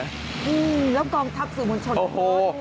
อืมแล้วก็มันทับสู่มนตร์ชนท่อน้อยด้วย